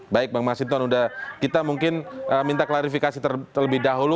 baik bang masinton kita mungkin minta klarifikasi terlebih dahulu